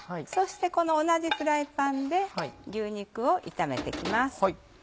そしてこの同じフライパンで牛肉を炒めて行きます。